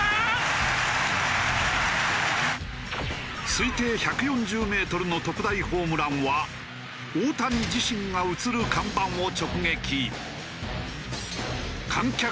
推定１４０メートルの特大ホームランは大谷自身が写る看板を直撃。